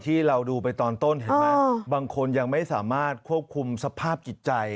ที่เราดูไปตอนต้นเห็นไหมบางคนยังไม่สามารถควบคุมสภาพจิตใจ